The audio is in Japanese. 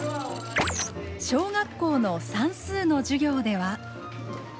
小学校の算数の授業では。